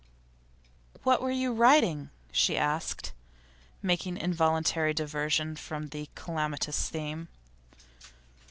'What were you writing?' she asked, making involuntary diversion from the calamitous theme.